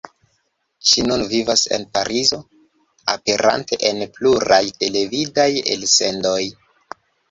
Ŝi nun vivas en Parizo, aperante en pluraj televidaj elsendoj.